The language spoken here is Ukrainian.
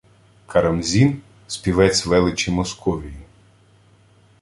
Карамзін – «співець величі Московії»